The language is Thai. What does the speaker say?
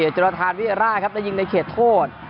จนทานวิอาร่าครับได้ยิงในเขตโทษ